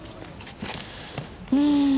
うん。